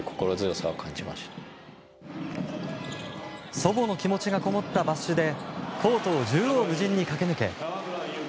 祖母の気持ちがこもったバッシュでコートを縦横無尽に駆け抜け